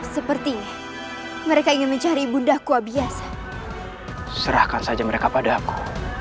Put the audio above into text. seperti mereka ingin mencari bunda kuabiasa serahkan saja mereka padaku